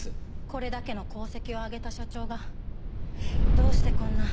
これだけの功績を上げた社長がどうしてこんな。